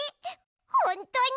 ほんとに？